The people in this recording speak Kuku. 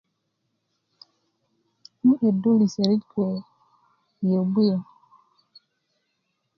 um 'yudu liserit kuwe yi yobu yu